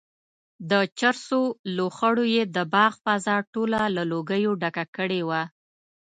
د چرسو لوخړو یې د باغ فضا ټوله له لوګیو ډکه کړې وه.